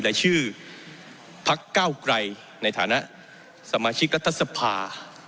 แต่ชื่อพักเก้าไกรในฐานะสมาชิกรัฐสภา